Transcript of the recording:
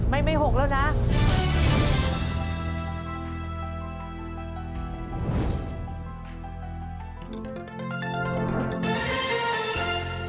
ไม่หกแล้วนะ